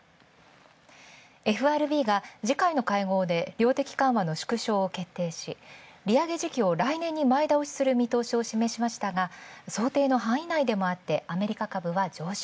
ＦＲＢが次回の会合で病的緩和の利上げ時期を前倒しする見通しを示しましたが想定の範囲内もあってアメリカ株は上昇。